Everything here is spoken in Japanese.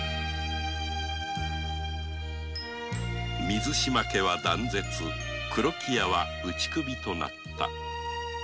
水嶋家は断絶黒木屋は打ち首となった。